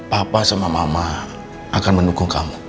papa sama mama akan mendukung kamu